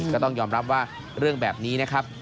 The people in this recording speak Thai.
ก็ต้องยอมรับว่าเรื่องแบบนี้นะครับ